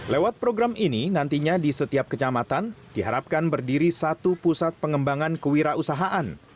lewat program ini nantinya di setiap kecamatan diharapkan berdiri satu pusat pengembangan kewirausahaan